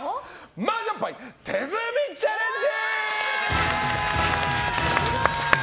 麻雀牌手積みチャレンジ！